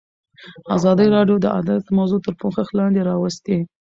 ازادي راډیو د عدالت موضوع تر پوښښ لاندې راوستې.